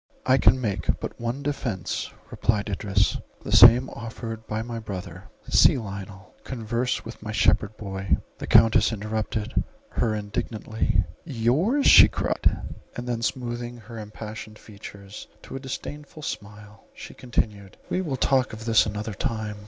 "I can make but one defence," replied Idris, "the same offered by my brother; see Lionel, converse with my shepherd boy"— The Countess interrupted her indignantly—"Yours!"—she cried: and then, smoothing her impassioned features to a disdainful smile, she continued—"We will talk of this another time.